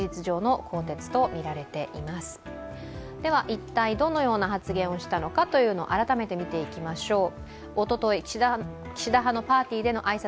一体どのような発言をしたのかを改めて見ていきましょう。